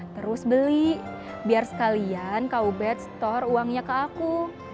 terus beli biar sekalian kau bed store uangnya ke aku